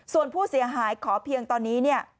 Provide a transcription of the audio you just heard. ส่วนผู้เสียหายขอเพียงตอนนี้เนี่ย